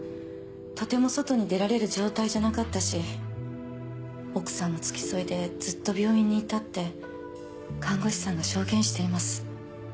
とても外に出られる状態じゃなかったし奥さんも付き添いでずっと病院にいたって看護師さんが証言しています。